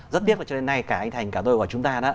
rất biết là cho đến nay cả anh thành cả tôi và chúng ta